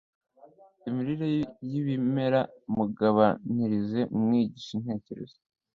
imirire yibimera Mubaganirize mwigishe intekerezo